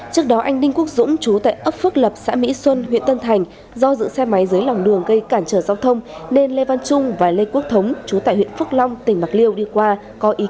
trước đó anh đinh quốc dũng chú tại ấp phước lập xã mỹ xuân huyện tân thành do dựng xe máy dưới lòng đường gây cản trở giao thông nên lê văn trung và lê quốc thống chú tại huyện phước long tỉnh bạc liêu đi qua có ý kiến